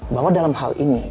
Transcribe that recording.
bahwa dalam hal ini